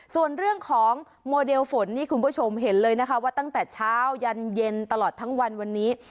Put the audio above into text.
ส่วนเรื่องของโมเดลฝนนี่คุณผู้ชมเห็นเลยนะคะว่าตั้งแต่เช้ายันเย็นตลอดทั้งวันวันนี้